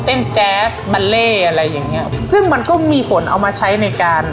แจ๊สบัลเล่อะไรอย่างเงี้ยซึ่งมันก็มีผลเอามาใช้ในการ